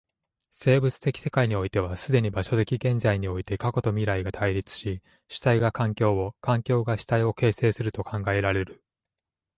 生物的世界においては既に場所的現在において過去と未来とが対立し、主体が環境を、環境が主体を形成すると考えられる。